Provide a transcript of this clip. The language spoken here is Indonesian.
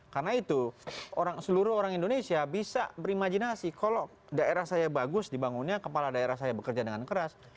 karena itu seluruh orang indonesia bisa berimajinasi kalau daerah saya bagus dibangunnya kepala daerah saya bekerja dengan keras